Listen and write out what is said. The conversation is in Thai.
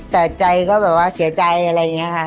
แต่ใจก็แบบว่าเสียใจอะไรอย่างนี้ค่ะ